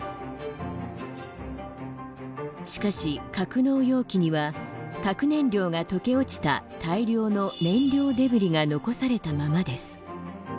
しかし、格納容器には核燃料が溶け落ちた大量の燃料デブリが残されたままです。